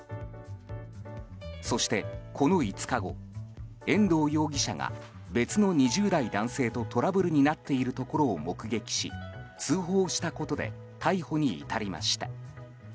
そして、この５日後遠藤容疑者が別の２０代男性とトラブルになっているところを目撃し通報したことで逮捕に至りました。